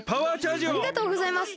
ありがとうございます！